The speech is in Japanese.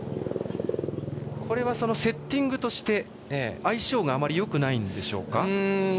これはセッティングとして相性があまりよくないんですか。